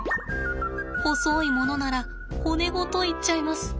細いものなら骨ごといっちゃいます。